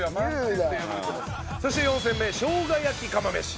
そして４戦目しょうが焼き釜飯。